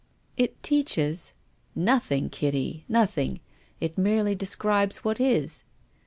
" It teaches " "Nothing, Kitty — nothing. It mere ly describes what is."